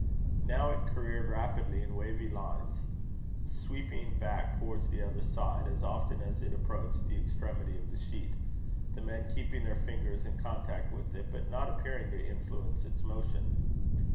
Now it careered rapidly in wavy lines, sweeping back towards the other side, as often as it approached the extremity of the sheet, the men keeping their fingers in contact with it, but not appearing to influence its motion.